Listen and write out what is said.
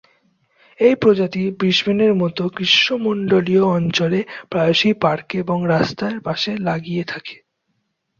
এই প্রজাতি ব্রিসবেন-এর মতো গ্রীষ্মমন্ডলীয় অঞ্চলে প্রায়শই পার্কে এবং রাস্তার পাশে লাগিয়ে থাকে।